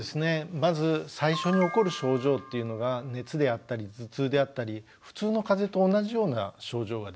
まず最初に起こる症状っていうのが熱であったり頭痛であったり普通の風邪と同じような症状が出てくるっていうことですね。